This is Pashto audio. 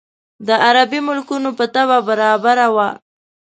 د عربي ملکونو په طبع برابره وه.